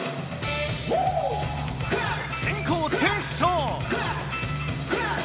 先こうテッショウ！